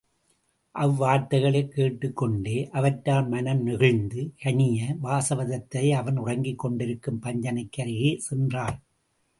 அவ் வார்த்தைகளைக் கேட்டுக்கொண்டே அவற்றால் மனம் நெகிழ்ந்து கனிய, வாசவதத்தை அவன் உறங்கிக் கொண்டிருக்கும் பஞ்சணைக்கு அருகே சென்றாள்.